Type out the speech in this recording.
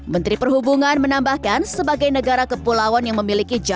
menteri perhubungan menambahkan sebagai negara kepulauan yang memiliki jaringan